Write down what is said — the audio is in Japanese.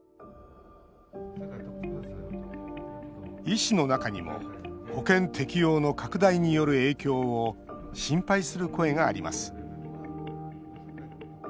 医師の中にも保険適用の拡大による影響を心配する声があります。